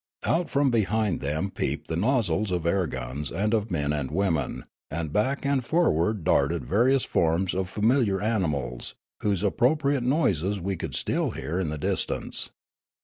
Out from behind them peeped the nozzles of air guns and of men and women, and back and forward darted various forms of familiar animals^ whose appro priate noises we could still hear in the distance.